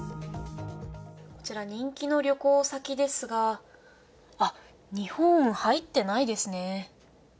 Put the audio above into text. こちら人気の旅行先ですが、あっ、日本、入ってないですね。